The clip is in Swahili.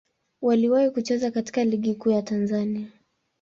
Waliwahi kucheza katika Ligi Kuu ya Tanzania.